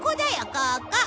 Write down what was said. ここ！